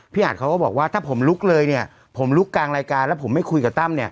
อัดเขาก็บอกว่าถ้าผมลุกเลยผมลุกกลางรายการแล้วผมไม่คุยกับตั้ม